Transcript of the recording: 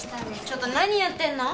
ちょっと何やってんの！？